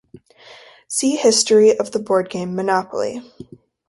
See history of the board game Monopoly.